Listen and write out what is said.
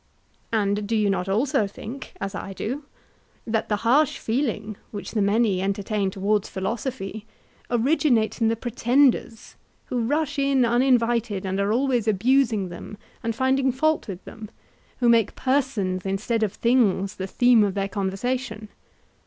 And do you not also think, as I do, that the harsh feeling which the many entertain towards philosophy originates in the pretenders, who rush in uninvited, and are always abusing them, and finding fault with them, who make persons instead of things the theme of their conversation?